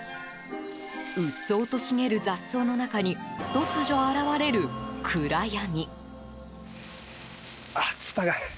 うっそうと茂る雑草の中に突如、現れる暗闇。